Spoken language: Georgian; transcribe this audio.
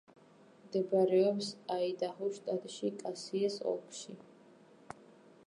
მდებარეობს აიდაჰოს შტატში, კასიის ოლქში.